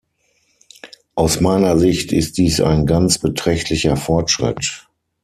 Aus meiner Sicht ist dies ein ganz beträchtlicher Fortschritt.